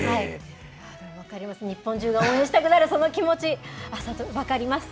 分かります、日本中が応援したくなるその気持ち、分かります。